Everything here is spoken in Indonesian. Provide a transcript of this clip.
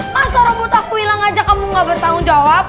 masa robot aku hilang aja kamu gak bertanggung jawab